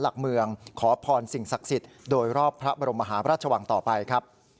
หลักเมืองขอพรสิ่งศักดิ์สิทธิ์โดยรอบพระบรมมหาพระราชวังต่อไปครับ